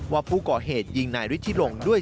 ว่าประกอบเหตุยิงวิธีร่วงนายด้วย